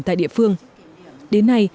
tại địa phương đến nay